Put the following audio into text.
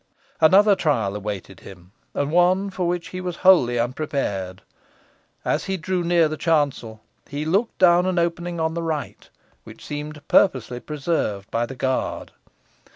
Another trial awaited him, and one for which he was wholly unprepared. As he drew near the chancel, he looked down an opening on the right, which seemed purposely preserved by the guard.